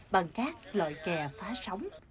bằng các loại kè phá sóng